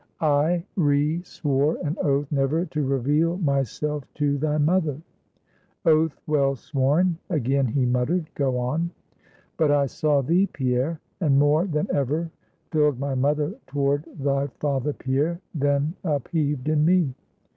"I re swore an oath never to reveal myself to thy mother." "Oath well sworn," again he muttered; "go on." "But I saw thee, Pierre; and, more than ever filled my mother toward thy father, Pierre, then upheaved in me.